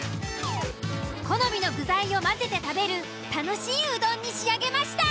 好みの具材を混ぜて食べる楽しいうどんに仕上げました。